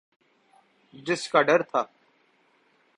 جس کا ڈر تھا۔